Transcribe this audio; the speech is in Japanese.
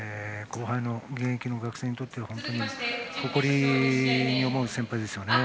現役の学生にとっては本当に誇りに思う先輩ですね。